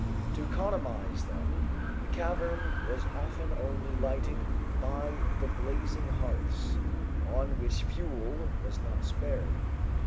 To economize them, the cavern was often only lighted by the blazing hearths, on which fuel was not spared.